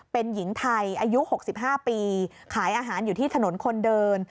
เป็นหญิงไทยอายุ๖๕ปีขายอาหารอยู่ที่ถนนคนเดิน